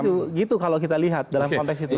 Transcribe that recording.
jadi gitu kalau kita lihat dalam konteks itu